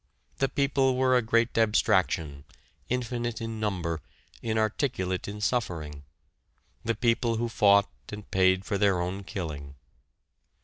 The People were a great abstraction, infinite in number, inarticulate in suffering the people who fought and paid for their own killing.